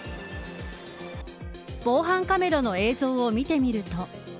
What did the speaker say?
防犯カメラの映像を見てみると。